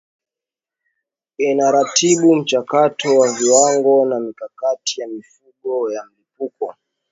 inaratibu mchakato wa viwango na mikakati ya mifumo ya malipo